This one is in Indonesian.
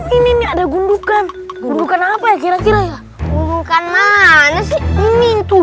ini ada gundukan gundukan apa ya kira kira gundukan mana sih ini tuh